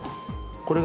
これが？